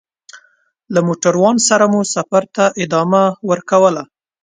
له موټروان سره مو سفر ته ادامه ورکوله.